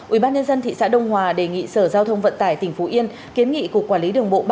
ubnd thị xã đông hòa đề nghị sở giao thông vận tải tỉnh phú yên kiến nghị cục quản lý đường bộ ba